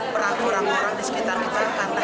perang kurang kurang di sekitar kita karena hari kemarin